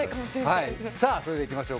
さあそれではいきましょうか。